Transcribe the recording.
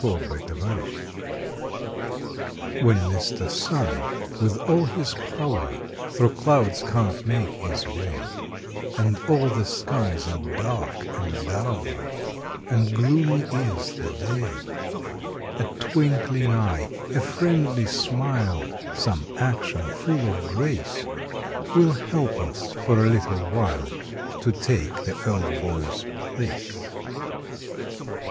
May Nineteenth UNDERSTUDIES Mr. Sun with all his power Thro clouds can t make his way, And all the skies are dark and dour, And gloomy is the day, A twinkling eye, a friendly smile, Some action full of grace, Will help us for a little while To take the old boy s place.